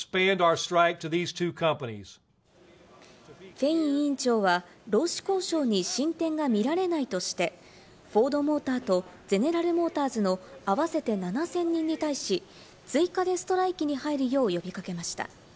フェイン委員長は労使交渉に進展が見られないとして、フォード・モーターとゼネラル・モーターズの合わせて７０００人に対し、追加でストライキに入るよう呼び掛けました。